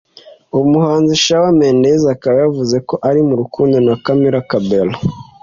Umuhanzi shawn mendes akabayavuze ko ari murukundo na camilla cabello